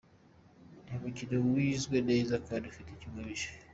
Ni umukino wizwe neza kandi ufite icyo ugamije.